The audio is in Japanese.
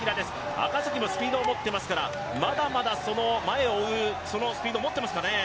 赤崎もスピードを持っていますから、まだまだ前を追うスピードを持っていますかね。